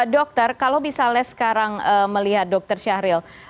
dokter kalau misalnya sekarang melihat dokter syahril